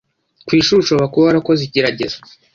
ku ishuri ushobora kuba warakoze igerageza